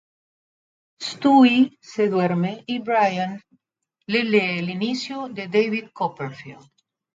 Stewie se duerme y Brian le lee el inicio de "David Copperfield".